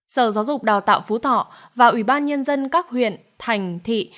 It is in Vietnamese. sở giáo dục đào tạo phú thọ và ủy ban nhân dân các huyện thành thị